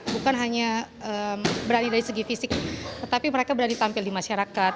bukan hanya berani dari segi fisik tetapi mereka berani tampil di masyarakat